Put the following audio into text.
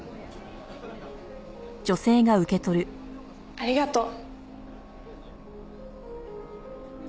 ありがとう。